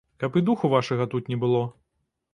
Каб і духу вашага тут не было.